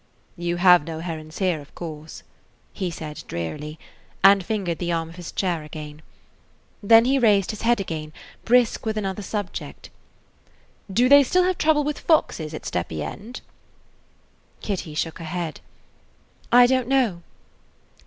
"You have no herons here, of course," he said drearily, and fingered the arm of his chair [Page 54] again. Then he raised his head again, brisk with another subject. "Do they still have trouble with foxes at Steppy End?" Kitty shook her head. "I don't know."